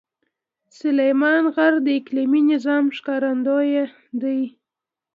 سلیمان غر د اقلیمي نظام ښکارندوی دی.